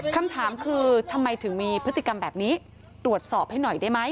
คำถามคือทำไมถึงมีพฤติกรรมแบบนี้ตรวจสอบให้หน่อยได้ไหม